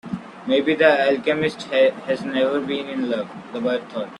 Maybe the alchemist has never been in love, the boy thought.